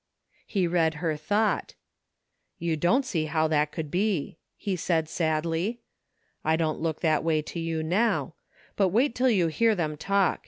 He read her thought You don't see how lliat oould be," he said sadly. I don't look that way to you now. But wait till you hear them talk.